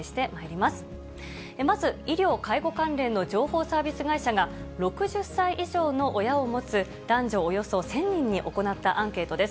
まず医療・介護関連の情報サービス会社が、６０歳以上の親を持つ男女およそ１０００人に行ったアンケートです。